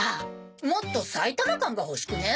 もっと埼玉感が欲しくね？